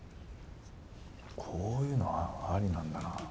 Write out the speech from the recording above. こういうのありなんだな。